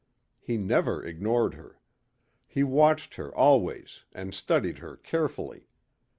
He never ignored her. He watched her always and studied her carefully.